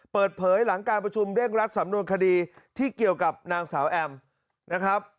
เปิดเผยหลังการประชุมเร่งรัดสำนวนคดีที่เกี่ยวกับนางสาวแอมนะครับ